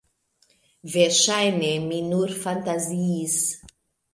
Verŝajne mi nur fantaziis.